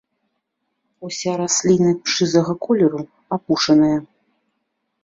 Уся расліна шызага колеру, апушаная.